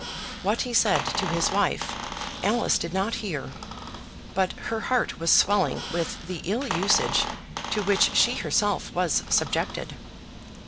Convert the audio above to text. What he said to his wife, Alice did not hear; but her heart was swelling with the ill usage to which she herself was subjected.